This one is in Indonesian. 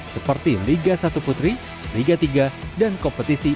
seperti liga satu putri liga tiga dan kompetisi